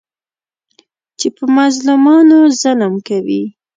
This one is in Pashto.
چې په مظلومانو ظلم کوي.